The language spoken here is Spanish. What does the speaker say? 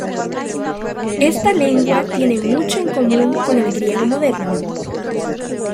Esta lengua tiene mucho en común con el griego moderno.